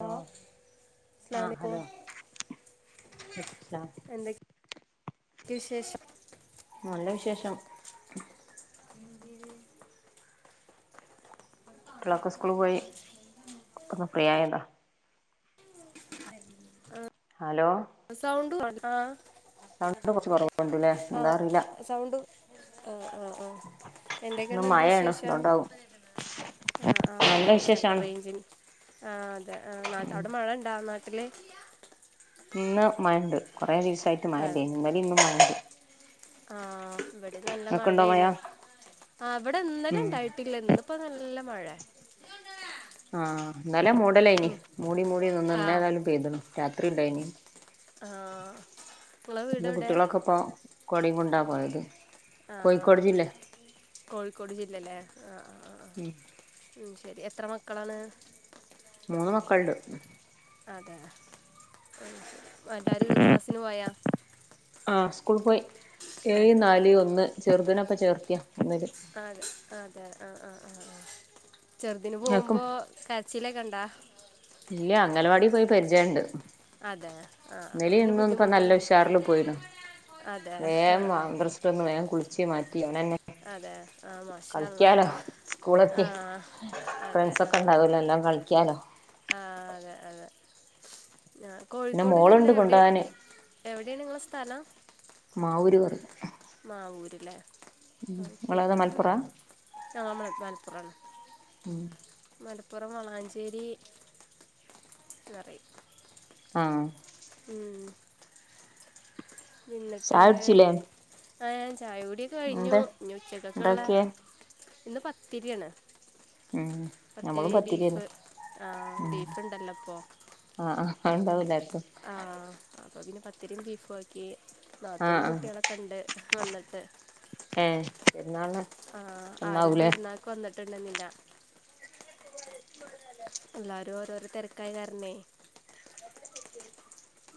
Hello അസ്സാം ആഹ് വലൈക്കും ഹലോ വ ലൈക്കും സലാം വിശേഷ നല്ല വിശേഷം എന്തേയ് കുട്ടികളൊക്കെ സ്കൂള് പോയി ഇപ്പൊന്ന് ഫ്രീ ആയതാ ഹലോ സൗണ്ട് [unintelligible] ആ സൗണ്ട് കുറച്ച് കുറവുണ്ട്ല്ലേ ആ എന്താ അറില്ല സൗണ്ട് ആഹ് ആഹ ആഹ ഇന്ന് എന്തൊക്കെയാണ് എന്ത് മഴയാണ് വിശേഷം അതുകൊണ്ടാവും ആ ആ നല്ല അതാവും ചെലപ്പൊ വിശേഷാണ് റേഞ്ചിന് ആഹ് അതെ നാട്ട അവിടെ മഴ ഇണ്ടാ നാട്ടിൽ ഇന്ന് മയണ്ട് കുറേ ദിവസമായിട്ട് മയ ഇല്ലെനി ഇന്നലേം ഇന്നും മയണ്ട് ആഹ ഇവിടെം നല്ല ഇങ്ങക്ക്ണ്ടോ മഴ മഴേണ് ആ ഇവിടെ ഇന്നലെ ഉം ഇണ്ടായിട്ടില്ല ഇന്ന് ഇപ്പം നല്ല മഴെ ആഹ് ഇന്നലെ മൂടലേനി ഉം. മൂടിമൂടി നിന്ന് ആ ഇന്ന് ഏതായാലും പെയ്ത്ണ് രാത്രി ഇണ്ടേനി ആഹ ഇങ്ങളെ വീട് എവിടെ പ്പൊ കൊടിം കൊണ്ടാ പോയത് ആഹ് കോഴിക്കോട് ജില്ലെ കോഴിക്കോട് ജില്ലലേ ഉം ശരി എത്ര മക്കളാണ് മൂന്ന് മക്കള്ണ്ട് അതെ എല്ലാരും ക്ലാസ്സിന് പോയാ ആഹ് സ്കൂൾ പോയി ഏഴ് അതെ നാല് ഒന്ന് ചെറുതിനെപ്പൊ ചേർത്തിയാ ഒന്നില് ആതെ അതെ ആഹ് ആ ആഹ് ആഹ് ചെറുതിന് ആക്കും പോവ്മ്പോ കരച്ചിലൊക്കെ ഇണ്ടാ ഇല്ല അംഗലവാടി പോയി പരിചയണ്ട് അതെ ആഹ് അപ്പോൾ ഇന്നലിം പിന്നെ ഇന്നും ഇപ്പൊ നല്ല ബുദ്ധിമുട്ടൊന്നും ഉഷാറിൽ പോയിണ് അതെ വേം മദ്രസ ആഹ് വിട്ട് വന്ന് വേം കുളിച്ച് മാറ്റി അവനെന്നെ അതെ ആഹ് മാഷാ അല്ലാഹ് കളിക്കാലോ സ്കൂളെത്തി ആഹ് അതെ ഫ്രണ്ട്സ് ഒക്കെ ആഹ് ഇണ്ടാവുല്ലോ നല്ലോം കള കളിക്കാലോ ആഹ് അതെ അതെ ഞാൻ പിന്നെ കോഴിക്കോട് ജില്ല മോളുണ്ട് എവിടെ കൊണ്ടോവാന് എവിടേണ് ഇങ്ങളെ സ്ഥലം മാവൂര് പറയും മാവൂര് ലേ അത്‌ ഇങ്ങളേതാ കേട്ടിട്ടുണ്ട് മലപ്പുറാ ഞങ്ങള് മല മലപ്പുറാണ് മലപ്പുറം വളാഞ്ചേരി ന്നറിയും ആഹ് ഉം എന്നിട്ട് ചായുടിച്ചില്ലേ ആഹ് ഞാൻ ചായ കുടിയൊക്കെ കഴിഞ്ഞു എന്താ ഇനി ഉച്ചക്കക്ക് ഇള്ള ഇണ്ടാക്കിയേ ഇന്ന് പത്തിര്യാണ് ഉം നമ്മളും പത്തിരി ബീഫ് പത്തിരിയെന്നെ ആഹ് ബീഫ് ഇണ്ടല്ലോ ഇപ്പൊ ആഹ് ആഹ് അത്‌ ഇണ്ടാവും എല്ലാർക്കും ആഹ് അപ്പൊ പിന്നെ പത്തിരിയും ബീഫും ആക്കി ആഹ് നാത്തൂനും ആഹ് കുട്ട്യാളൊക്കെ ഇണ്ട് വന്നിട്ട് ഏഹ് പെരുന്നാള്ന് ആഹ ആരും പെരുന്നാക്ക് വന്നിട്ടുണ്ടേന്നില്ല എല്ലാരും ഓരോര തെരക്ക് ക്കായ കാരണേ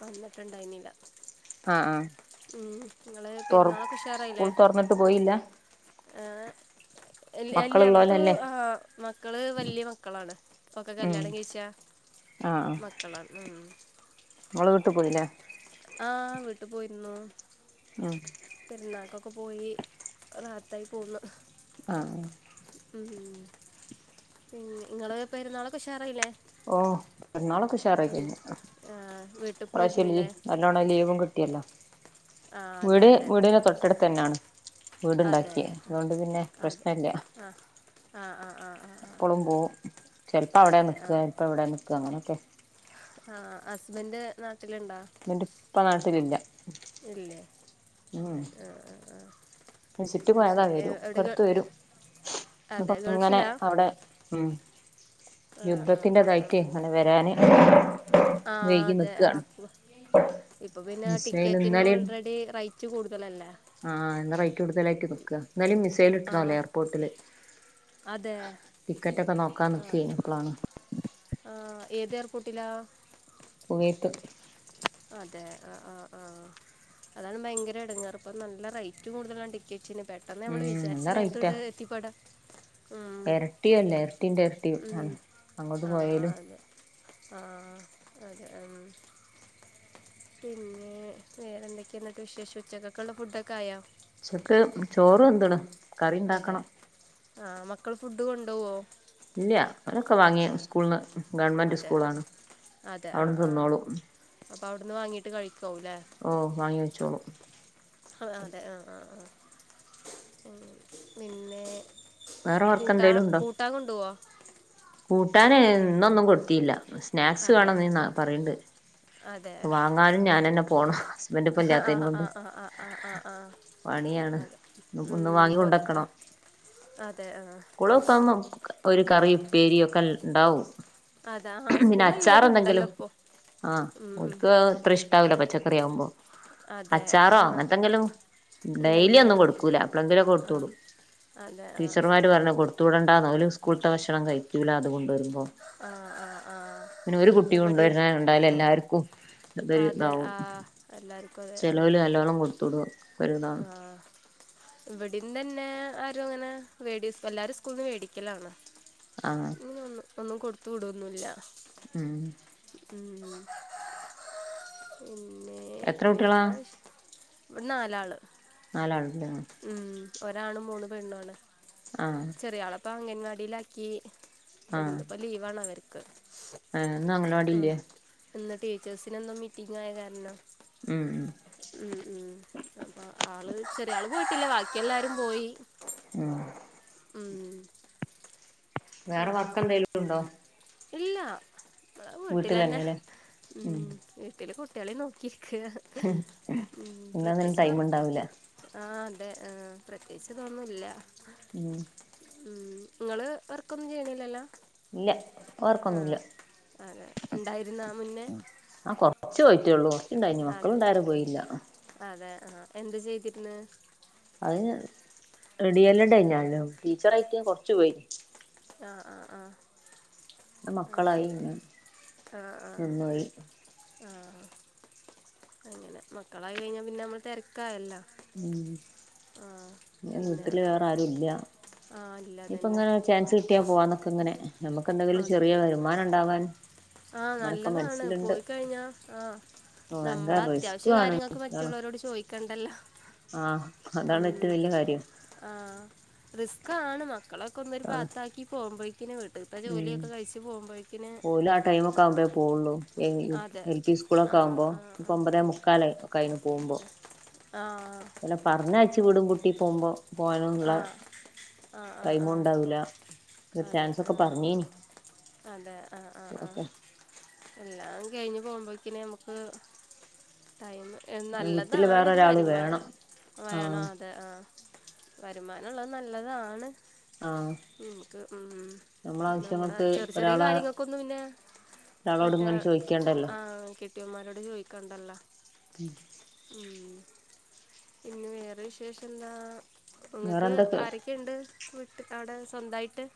വന്നിട്ടുണ്ടായിന്നില്ല ആഹ് ആഹ് ഉം ഇങ്ങള് തൊർ പെരുന്നാളൊക്കെ ഉഷാറായില്ലേ സ്കൂൾ തൊറന്നിട്ട് പോയില്ല ഏഹ് എല്ല അവർക്ക് മക്കളുള്ളോലല്ലേ ആഹ് മക്കള് വല്ല്യ മക്കളാണ് ഒക്കെ ഉം കല്യാണം കഴിച്ചാ മക്കളാണ് ഉം ഓള് വീട്ട് പോയിനാ ആഹ് വീട്ട് പോയിരുന്നു. ആഹ്. പെര്ന്നാക്കൊക്കെ പോയി റാഹത്തായി പോന്ന്. ആഹ്. ഉം പിന്നെ നിങ്ങള് പെരുന്നാളൊക്കെ ഉഷാറായില്ലേ? ഓഹ് പെരുന്നാളൊക്കെ ഉം ഉഷാറായിക്കഴിഞ്ഞ്. ആഹ് വീട്ടിൽ ഇപ്രാവശ്യല്ലി പോയിരുന്നില്ലേ ന്നോണെ ലീവും കിട്ടിയല്ലോ. ആഹ് അതെ വീട് അതെ വീടിന് ആഹ് തൊട്ടട്ത്ത് തന്നെയാണ് വീട്ണ്ടാക്കിയെ. അതോണ്ട് പിന്നെ പ്രശ്നില്ല. അഹ് ആഹ് ആഹ് ആഹ്. എപ്പളും പോവും. ചെലപ്പോ അവിടെയാ നിക്ക ഇപ്പ ഇവിടെയാ നിക്ക. അങ്ങനൊക്കെ ആഹ് ഹസ്ബന്റ് നാട്ടിലുണ്ടോ? ഇവന്റെ ഉപ്പ നാട്ടിലില്ല. ഇല്ലേ? അതെ. ആഹ് ആഹ് ആഹ്. ശിട്ട് പോയതാ വരും. ഇപ്പട്ത്ത് വരും. ഇപ്പ അതെ ഇങ്ങനെ ഗൾഫിലാ ഇടെ ഉം. ആ ആ യുദ്ധത്തിന്റെ ആ ഇതായിറ്റെ അങ്ങനെ വരാന് ആഹ് വൈകി അതെ നിക്കാണ് അപ്പൊ ഇപ്പൊ പിന്നെ ഇസ്രായേൽ ടിക്കറ്റിനും ഇന്നലെയും ഓൾറെഡി റൈറ്റ് കൂട്തലല്ലേ? ആഹ് ഇന്ന് റേറ്റ് കൂടുതലായിട്ട് നിക്ക്വാ. ഇന്നലെയും മിസൈല് ആ വിട്ടിന് പോലും എയർപോർട്ടില്. അതെ ടിക്കറ്റൊക്കെ നോക്കാ നിക്കെയ്ന്, അപ്പളാണ്. ആഹ് ഏത് എയർപോർട്ടിലാ? കുവൈത്ത്. അതെ ആഹ് ആഹ് ആഹ്. അതാണ് ഭയങ്കര എടങ്ങേറ് ഇപ്പൊ നല്ല റേറ്റ് കൂടുതലാണ് ടിക്കറ്റിന്. പെട്ട് ട്ടന്ന് നമ്മൾ ഉം വിചാരിച്ച നല്ല നേരത്തൊട്ട് എത്തിപെടാ എരട്ടിയു അല്ല. എരട്ടീന്റെ എരട്ടിയു ആഹ്. ഉം. അങ്ങോട്ട് പോയേലു. ആഹ് അതെ ഉം. പിന്നേ വേറെന്തൊക്കെയാ എന്നിട്ട് വിശേഷം, ഉച്ചക്കൊക്കെ ഉള്ള ഫുഡ്ഡൊക്കെ ആയോ? ഉച്ചക്ക് ചോറ് വെന്ത്ണ്. കറി അതെ? ഇണ്ടാക്കണം ആഹ് മക്കള് ഫുഡ്ഡ് കൊണ്ടോവോ? ഇല്ല. അവരൊക്കെ വാങ്ങി സ്കൂള്ന്ന്, ഗവൺമെന്റ് അതെ സ്കൂളാണ്. അവിട്ന്ന് തിന്നോളും. അപ്പൊ അവിട്ന്ന് വാങ്ങീട്ട് കഴിക്കും ല്ലേ? ഓഹ് വാങ്ങി കയ്ച്ചോളും. അഹ് അതെ ആഹ് ആഹ് ആഹ്. പിന്നേ വേറെ വർക്ക് കൂട്ടാ എന്തേലും ഉണ്ടോ കൂട്ടാൻ കൊണ്ടോവൊ? കൂട്ടാന് ഇന്നൊന്നും കൊടുത്തീല്ല. സ്നാക്സ് അതെ വേണന്ന് ഇന്ന് പറയ്ണ്ട്. അതെ. പോണം ഹസ്ബൻഡ് ഇപ്പ ആഹ് ഇല്ലാത്തയും ആഹ് കൊണ്ട് ആഹ് ആഹ് ആഹ് ആഹ് ആഹ് ആഹ്. പണിയാണ് അതെ ഒന്ന് ഉം വാങ്ങി പൊറത്ത്. അതെ ആഹ്. കൊളൂത്താമ്പം ഒരു കറി ഉപ്പേരിയൊക്കെ ഇണ്ടാവും. അതെ ആ പിന്നെ സ്കൂളിലല്ലേ ഇതുണ്ടല്ലോ അച്ചാറെന്തെങ്കിലും, ഇപ്പോൾ ആഹ് ഉം, ഉം. ഓൽക്ക് അത്രഷ് ണ്ടാവൂല പച്ചക്കറി ആവുമ്പൊ. അതെ അച്ചാറോ അങ്ങനത്തെങ്കിലും. ഡെയ്ലി ഉണ്ടെങ്കിൽ ഒന്നും കൊടുക്കൂല എപ്പളെങ്കിലും ആ കൊടുത്ത്ടും. അതെ ആഹ് ആഹ്. മാര് പറഞ്ഞ് കൊട്ത്ത് വിടണ്ടാന്ന് ഓര് സ്കൂള്ത്തെ ഭക്ഷണം കഴിക്കൂല്ല അത്കൊണ്ട് വരുമ്പോന്ന്. ആ ആ ആ പിന്നെ ഒരു കുട്ടി കൊണ്ട് ഇവിടെയും വര്ന്ന കണ്ടാല് എല്ലാർക്കും അതൊരു അതെ ഇതാവും. ആ എല്ലാവർക്കും ചെലോല് നല്ലോണം കൊടുത്ത് വിടും. ആഹ് ഇവടിം തന്നെ ആരും അങ്ങനെ വെടി എല്ലാരും സ്കൂള്ന്ന് മേടിക്കലാണ്. ആഹ് [unintelligible] ഒന്നും കൊടുത്ത് വിടൊന്നുല്ല. ഉം ഉം പിന്നെ എത്ര കുട്ടികളാ വേറെ വിഷ് ഇവടെ നാലാള്. നാലാള്ണ്ട് ആഹ് ഉം ഒരാണ് മൂന്ന് പെണ്ണു ആണ്. ആഹ് ചെറിയാളപ്പം അംഗൻവാടിയിലാക്കി ആഹ് പ്പംന്ന്പ്പം ലീവാണ് അവർക്ക്. ഏഹ് ഇന്ന് ഉം. അംഗനവാടില്ലേ? ഇന്ന് ടീച്ചേഴ്സിനൊന്നും മീറ്റിംഗായ കാരണം ഉം ഉം ഉം ഉം അപ്പ ആള് ചെറിയാള് പോയിട്ട്ല്ല ബാക്കിയെല്ലാരും പോയി. ഉം ഉം വേറെ പിന്നെ വർക്കെന്തെലും ഇണ്ടോ? ഇല്ല ഇവടെ വീട്ടിലന്നെ വീട്ടിലന്നെല്ലേ ഉം വീട്ടില് കുട്ട്യേളേം നോക്കിരിക്ക ഉം ഇന്നതിന് പ്രതേകിച്ച് ടൈം വർ ഉണ്ടാവൂല ആഹ് അതെ ഹേ പ്രത്യേകിച്ചതൊന്നുല്ല. ഉം ഉം ഇങ്ങള് വർക്കൊന്നും ചെയ്യ്ണില്ലല്ലോ? ഇല്ല വർക്കൊന്നുല്ല ആഹ് അതെ ഇണ്ടായിരുന്ന മുന്നേ? ച്ച് പോയിറ്റേള്ളൂ ണ്ടായിനോ മക്കള് അതെ ഇണ്ടായാരെ പോയില്ല. അതെ ആഹ് എന്ത് ചെയ്തിര്ന്നെ? അത് റെടിയല്ല്ടായിന് ഞാന് ടീച്ചറയിട്ട് കൊർച്ചു പോയി. ആഹ് ആഹ് ആഹ് മക്കളായി അഹ്ശരി പിന്നെ ആഹ് ആഹ് നിന്നോയി ആഹ് അങ്ങനെ മക്കളായി കഴിഞ്ഞാൽ പിന്നെ നമ്മള് തെരക്കായല്ലോ. ഉം പിന്നെ വീട്ടില് വേറെ ആരും ഇല്ല. ആ ഇല്ല ഇപ്പ അതന്നെ ഇങ്ങനെ ചാൻസ് കിട്ടിയാ പോവാ. നമ്മക്കങ്ങനെ നമ്മക്ക് എന്തെങ്കിലും ചെറിയ വരുമാനം ഇണ്ടാവാൻ. ആഹ് നല്ലതാണ് പോയി കഴിഞ്ഞാ ആഹ് നമ്മള ഭയങ്കര റിസ്ക് അത്യാവശ്യ ആണ് കാര്യങ്ങൾക്ക് ആണ് മറ്റുള്ളവരോട് ചോയ്ക്കണ്ടല്ലോ. ആഹ് അതാണ് ഏറ്റും വല്യ കാര്യം. ആഹ് റിസ്ക്കാണ് മക്കളൊക്കെ ഒന്നൊരു ആണ് പാത്താക്കി പോകുമ്പോഴ് ത്തിന് വിട് ഇപ്പൊ ഉം ജോലിയൊക്കെ കഴിച്ച് പോവുമ്പോഴ്ക്ക്ന് ഓല് ആ ടൈമൊക്കെ ആവ്മ്പഴേ പോവൊള്ളു എങ്കിലും അതെ എൽ പി ആ സ്കൂളൊക്കെ ആവുമ്പോ ആ പ്പൊ ഒമ്പതേ മുക്കാലായി. ക്കായിന് പോവുമ്പോ ആ അല്ല പറഞ്ഞയ്ച്ച് വീടും പൂട്ടി പോവുമ്പോ. പോകാനുള്ള ആ ആ ആ ആ ആ ടൈമുണ്ടാവുല ഒരു അതെ ചാൻസ് ക്ക ആ പറഞ്ഞീനി അതെ ആ ആ ആ ഒക്ക എല്ലാം കഴിഞ്ഞ് പോകുമ്പോക്കിന് നമ്മക്ക് ടൈമ് എൻ വീട്ടില് നല്ലതാണ് വേറെ ഒരു ഒരാള് വരുമാ വേണം വേണം ആഹ് അ തെ ആഹ് വരുമാനള്ളത് നല്ലതാണ്. ആഹ് ഉം മ്മക്ക് ഉം നമ്മളെ നമ്മടെ ആവശ്യങ്ങൾക്ക് ചെറി ചെറിയ ഒരാളെ കാര്യങ്ങൾക്കൊന്നും പിന്നെ ഒരാളോട് മറ്റേ ഇങ്ങനെ ചോദിക്കണ്ടല്ലോ ആഹ് കെട്ടിയന്മാരോട് ചോയ്ക്കണ്ടല്ലോ ഉം ഊം പിന്നെ വേറെ വിശേഷം എന്താ വേറെ ഇങ്ങക്ക് എന്തൊക്കെ ആരെ ക്കെണ്ട് വീട്ട് അവിടെ സ്വന്തായിട്ട്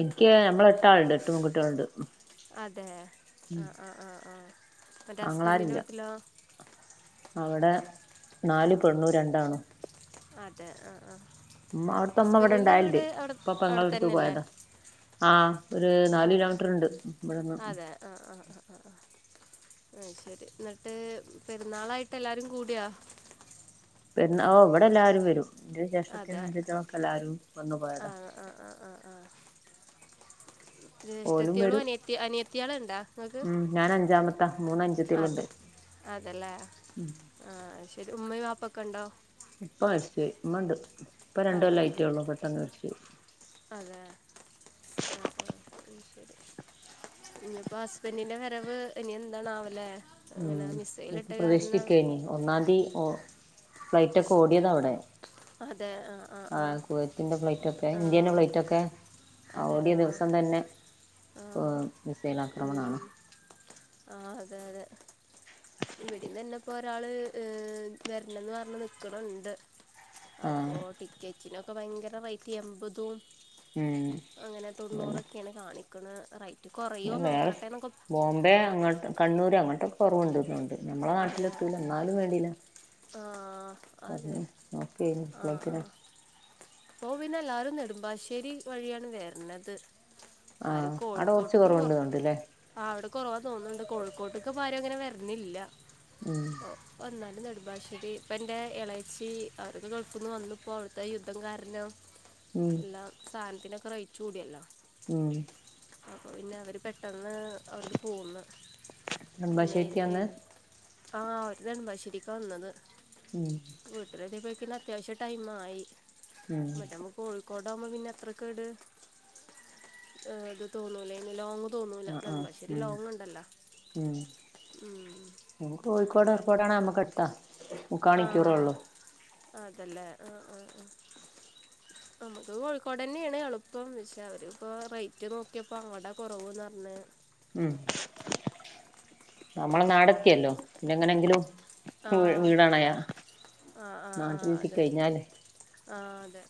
ഇൻക്ക് നമ്മള് എട്ടാള്ണ്ട് എട്ട് പെൺകുട്ടികള്ണ്ട് അതെ ആഹ് ആഹ് ആഹ് ആഹ് ആങ്ങളാരില്ല അവിടെ ന്നാല് പെണ്ണും രണ്ടാണും അതെ ആഹ് ആഹ് ഉമ്മ അവിടുത്തമ്മ ഇവിടെ ഇണ്ടായല് ണ്ട് ഇപ്പൊ അവിടെ പെങ്ങളട്ക്ക് തന്നെയല്ലേ പോയതാ ആഹ് ഒരു നാല് കിലോമീറ്റർ ഉണ്ട് ഇബട്ന്ന് ഉം ആഹ് ആഹ് ആഹ് ആഹ് ആഹ് അയ്ശരി ന്നട്ട് പെരുന്നാളായിട്ട് എല്ലാരും കൂടിയോ പെരുന്നാ ഓഹ് ഇവിടെ എല്ലാവാരും വരും ഇന്റെ ജേഷ്ഠത്തികളും അൻജത്തികളും ഒക്കെ എല്ലാരും വന്നു പോയതാ ആഹ് ആഹ് ആഹ് ആഹ് ആഹ് ഓലും ജേഷ്ടത്തിയാളും വരും അനിയത്തി അനിയത്തിയാള്ണ്ടാ നിങ്ങക്ക് ഉം ഞാൻ അഞ്ചാമത്താ മൂന്ന് അനുജത്തികളുണ്ട് അതെ അതെല്ലേ ആഹ് അയ്ശരി ഉമ്മയും വാപ്പൊക്കെ ഉണ്ടോ ഉപ്പ മരിച്ചോയി ഇമ്മണ്ട് ഇപ്പ രണ്ട് അതെ കൊല്ലം ആയിട്ടേ ഉം. ഉള്ളൂ പെട്ടെന്ന് മരിച്ചോയി അതെ ആഹ് ആഹ് അയ്ശരി ഞ്ഞിപ്പോ ഹസ്ബന്റിന്റെ വരവ് ഇനി എന്നാണാവലെ ഉം നമുക്ക് പ്രതീക്ഷിക്കേനി ഒന്നാംന്തി ഓ ഫ്ലൈറ്റ് ഒക്കെ ഓടിയതാവിടെ അതെ ആ ആ ആ ആഹ് കുവൈറ്റിന്റെ ഫ്ലൈറ്റ് ഒക്കെ ആ ഇന്ത്യന്റെ ഫ്ലൈറ്റ് ഒക്കെ ആ ഓടിയ ദിവസം തന്നെ മിസൈൽ ആക്രമണമാണ് ആഹ് അതെ അതെ ഇവിടന്ന് തന്നെ ഇപ്പോ ഒരാള് ഏഹ് വരണംന്ന് പറഞ്ഞ് നിക്ക്ണ് ണ്ട് ആ അപ്പോ ടിക്കറ്റിനൊക്കെ ഭയങ്കര റേറ്റ് എമ്പതും ഉം അങ്ങനെ അതന്നെ തൊണ്ണൂറൊക്കെയാണ് കാണിക്ക്ണെ റേറ്റ് പിന്നെ കൊറയോ വേറെ നോക്കട്ടെ ന്നൊക്കെ ബോംബെ അങ്ങ് കണ്ണൂര് അങ്ങോട്ടൊക്കെ കുറവുണ്ട് തോന്ന്ണ്ട് നമ്മളെ അതെ നാട്ടിലെത്തൂല ന്നാലും വേണ്ടില്ല ആ അതെ തോർന്ന് നോക്കെനി അപ്ലോത്തിനാ പ്പോ പിന്നെ എല്ലാരും നെടുമ്പാശ്ശേരി വഴിയാണ് വെര്ണത് ആ ആരും അവിടെ കുറച്ച് കോഴിക്കോട്ട്ക്ക് കൊറ കുറവുണ്ട് തോന്നുന്നുണ്ടല്ലേ ആഹ് അവിടെ കുറവാ തോന്നുന്നുണ്ട് കോഴിക്കോട്ട്ക്ക് പ്പ ആരും അങ്ങനെ വര്ണ്ല്ല ഉം ഓഹ് വന്നാലും നെടുമ്പാശ്ശേരി ഇപ്പൊ എന്റെ എളേച്ചി അവരൊക്കെ ഗൾഫിന്ന് വന്ന്പ്പോ അവിടുത്തെ യുദ്ധം കാരണം അറിഞ്ഞോ ഉം എല്ലാം സാധനത്തിനൊക്കെ റേറ്റ് കൂടിയല്ലോ ഉം അപ്പൊ പിന്നെ അവര് പെട്ടെന്ന് അവിടുന്ന് പോന്ന് പിന്നെ ഈ നെടുമ്പാശ്ശേരിക്കാന്ന് ആഹ് ഓര് നെടുമ്പാശ്ശേരിക്കാ വന്നത് ഉം വീട്ടിലെത്തിയപ്പോയെക്കിന് ‌ അത്യാവശ്യം ടൈമായി ഉം കോഴിക്കോടകുമ്പോ പിന്നെ അത്ര കേട് ഏഹ് ഇത് തോന്നൂല്ലെനു ലോങ്ങ്‌ തോന്നൂല്ല ആ ആ നെടുമ്പാശ്ശേരി ഉം ലോങ്ങ് ഉണ്ടല്ലോ ഉം ഓൻ കോഴിക്കോട് എയർപോർട്ട് ആണേൽ നമ്മക്ക് അടുത്താ മുക്കാ മണിക്കൂറേ ആഹ് ഉള്ളൂ അതല്ലേ ആഹ് ആഹ് ആഹ് നമ്മക്ക് കോഴിക്കോടെന്നെയാണ് എളുപ്പം ക്ഷെ അവരിപ്പോ റേറ്റ് നോക്കിയപ്പോ അങ്ങോട്ടാ കുറവുന്ന് പറഞ്ഞെ ഉം നമ്മടെ നാടക്കെയല്ലോ പിന്നെ എങ്ങനെങ്കിലും ആ വീടാണയാ നാട്ടിലെത്തി കഴിഞ്ഞാല് ആഹ് അതെ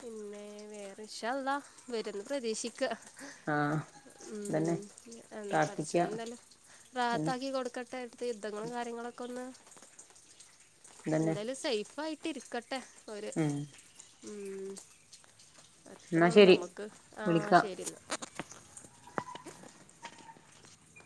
പിന്നെ വേറെ ഇന്ഷാ ഹല്ലാഹ്‌ വരന്ന് പ്രതീക്ഷിക്ക ആഹ് ഇതന്നെ ഉം പ്രാർത്ഥിക്ക പടച്ചോൻ എന്താലും തന്നെ റാത്താക്കി കൊടുക്കട്ടെ അടുത്തെ യുദ്ധങ്ങളും കാര്യങ്ങളൊക്കെ ഒന്ന് ഇതന്നെ എന്തായാലും സേഫ് ആയിട്ട് ഇരിക്കട്ടെ ഓര് ഉം ഉം എന്നാ എത്രയള്ളൂ ശരി നമുക്ക് ആ വിളിക്കാം ശരിന്ന